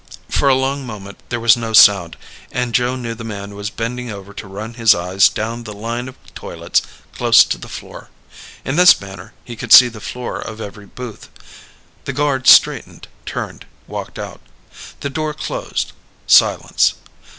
For a long moment there was no sound and Joe knew the man was bending over to run his eyes down the line of toilets close to the floor. In this manner he could see the floor of every booth. The guard straightened, turned, walked out. The door closed. Silence.